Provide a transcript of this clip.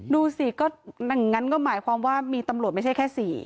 ดูสิก็งั้นก็หมายความว่ามีตำรวจไม่ใช่แค่๔